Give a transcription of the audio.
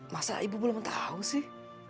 masa ibu belum tahu sih